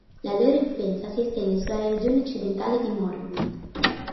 La loro influenza si estende sulla regione occidentale di Morrowind.